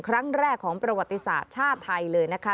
ครั้งแรกของประวัติศาสตร์ชาติไทยเลยนะคะ